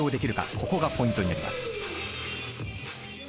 ここがポイントになります。